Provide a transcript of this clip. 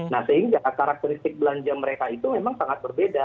nah sehingga karakteristik belanja mereka itu memang sangat berbeda